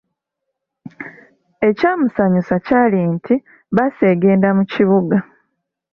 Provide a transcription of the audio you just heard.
Ekyamusanyusa kyali nti bbaasi egenda mu kibuga.